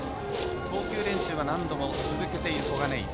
投球練習は何度も続けている小金井。